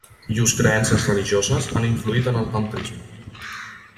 Llurs creences religioses han influït en el tantrisme.